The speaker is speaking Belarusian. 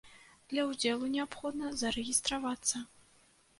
Для ўдзелу неабходна зарэгістравацца.